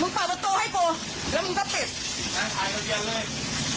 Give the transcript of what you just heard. มึงเปล่าโต๊ะให้กูแล้วมึงก็ปิด